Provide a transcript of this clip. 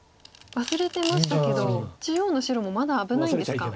忘れてましたけど中央の白もまだ危ないんですか。